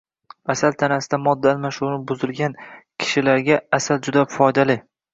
Asal tanasida modda almashinuvi buzilgan kishilarga asal juda foydali.